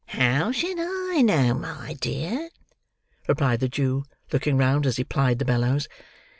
"How should I know, my dear?" replied the Jew, looking round as he plied the bellows.